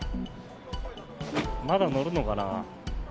まだ載るのかな。